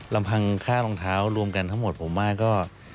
ลำพังค่ารองเท้ารวมกันทั้งหมดผมว่าก็